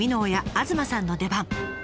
東さんの出番。